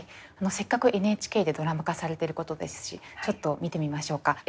せっかくＮＨＫでドラマ化されてることですしちょっと見てみましょうか。